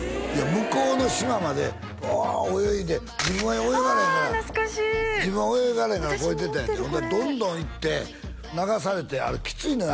向こうの島までワーッ泳いで自分は泳がれへんからああ懐かしい自分は泳がれへんからこうやってたんやってほんならどんどん行って流されてあれきついのよ